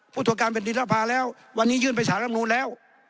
พูดถูกการแบรนดีฤษภาแล้ววันนี้ยื่นไปสารรับโน้นแล้ว